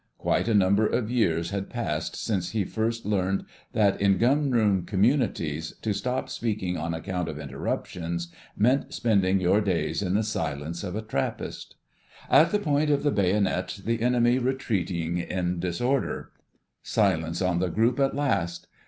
Quite a number of years had passed since he first learned that in Gunroom communities to stop speaking on account of interruptions meant spending your days in the silence of a Trappist. "... at the point of the bayonet, the enemy retreating in disorder." Silence on the group at last.